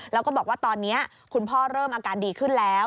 แล้วก็บอกว่าตอนนี้คุณพ่อเริ่มอาการดีขึ้นแล้ว